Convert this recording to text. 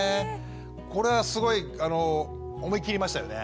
これはすごい思い切りましたよね。